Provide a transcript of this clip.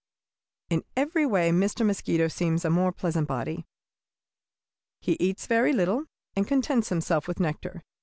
"In every way Mr. Mosquito seems a more pleasant body. He eats very little, and contents himself with nectar.